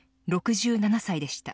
６７歳でした。